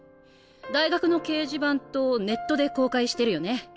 大学の掲示板とネットで公開してるよね。